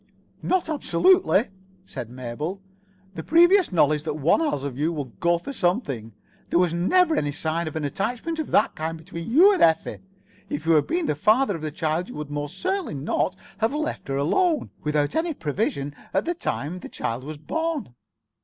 "Not absolutely," said Mabel. "The previous knowledge that one has of you would go for something. There was never any sign of an attachment of that kind between you and Effie. If you had been the [Pg 58]father of the child you would most certainly not have left her alone, without any provision, at the time the child was born.